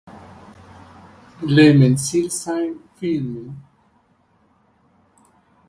Le Mesnil-Saint-Firmin